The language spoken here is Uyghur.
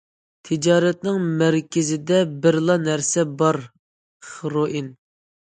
تىجارەتنىڭ مەركىزىدە بىرلا نەرسە بار- خىروئىن.